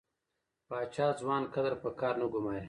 پاچا ځوان کدر په کار نه ګماري .